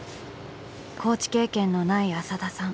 コーチ経験のない浅田さん。